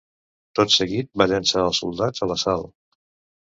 Tot seguit va llançar els soldats a l'assalt.